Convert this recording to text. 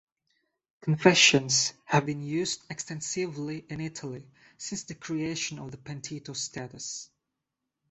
Confessions have been used extensively in Italy since the creation of the "pentito" status.